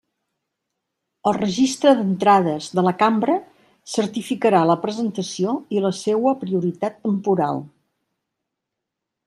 El Registre d'entrades de la cambra certificarà la presentació i la seua prioritat temporal.